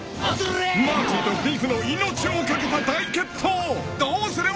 ［マーティとビフの命を懸けた大決闘！］